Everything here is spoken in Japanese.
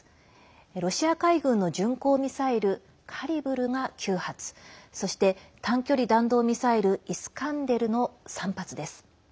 ロシア海軍の巡航ミサイル「カリブル」が９発そして、短距離弾道ミサイル「イスカンデル」の３発です。